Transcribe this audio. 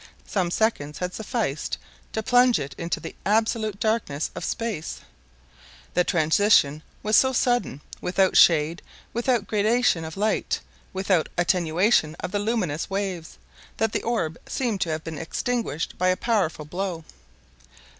Some seconds had sufficed to plunge it into the absolute darkness of space. The transition was so sudden, without shade, without gradation of light, without attenuation of the luminous waves, that the orb seemed to have been extinguished by a powerful blow.